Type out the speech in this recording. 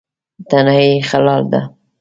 تڼۍ یې خلال ده.